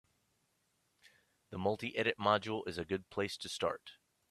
The multi-edit module is a good place to start.